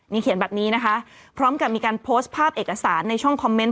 นี่เขียนแบบนี้นะคะพร้อมกับมีการโพสต์ภาพเอกสารในช่องคอมเมนต